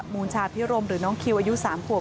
มูลชาพิรมหรือน้องคิวอายุ๓ขวบ